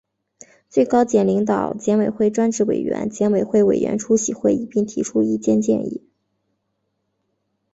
最高检领导、检委会专职委员、检委会委员出席会议并提出意见建议